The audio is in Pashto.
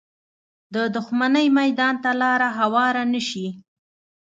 د دښمنۍ میدان ته لاره هواره نه شي